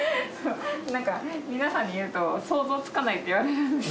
なんか皆さんに言うと想像つかないって言われるんですけど。